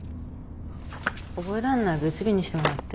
覚えらんない別日にしてもらって。